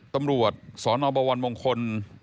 ตำรวจสนบวรมงคล